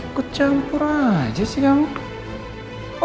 ikut campur aja sih kamu